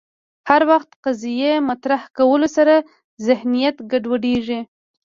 هر وخت قضیې مطرح کولو سره ذهنیت ګډوډېږي